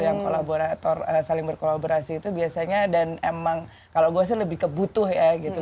yang saling berkolaborasi itu biasanya dan emang kalau gue sih lebih kebutuh ya gitu